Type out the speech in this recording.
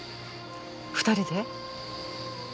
２人で？